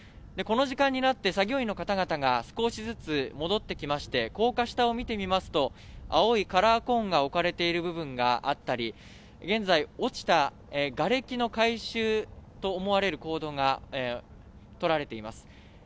その時間になって作業員の方々が少しずつ戻って来まして高架下を見てみますと、青いカラーコーンが置かれている部分があったり、現在落ちたがれきの回収と思われる行動が取られています。